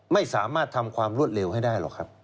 ไม่สามารถทำความรวดเร็วให้ได้หรอกครับ